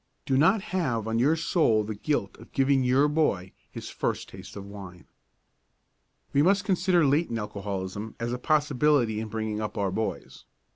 Do not have on your soul the guilt of giving your boy his first taste of wine. We must consider latent alcoholism as a possibility in bringing up our boys.